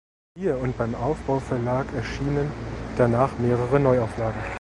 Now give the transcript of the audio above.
Hier und beim Aufbau Verlag erschienen danach mehrere Neuauflagen.